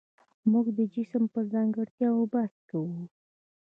موږ د جسم په ځانګړتیاوو بحث کوو.